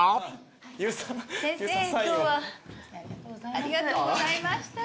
先生今日はありがとうございました。